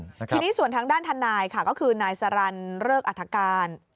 ทีนี้ส่วนทางด้านทนายค่ะก็คือนายสรรเริกอัฐการ